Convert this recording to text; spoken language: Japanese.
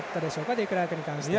デクラークに関しては。